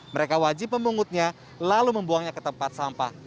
mereka wajib memungutnya lalu membuangnya ke tempat sampah